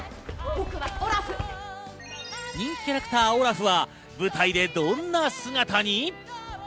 人気キャラクター、オラフは舞台でどんな姿に？